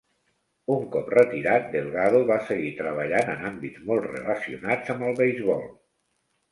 Un cop retirat, Delgado va seguir treballant en àmbits molt relacionats amb el beisbol.